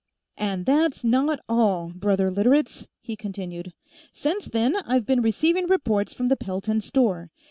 "And that's not all, brother Literates," he continued. "Since then, I've been receiving reports from the Pelton store.